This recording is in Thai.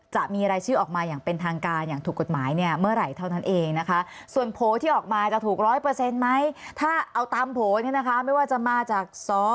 จะมาจาก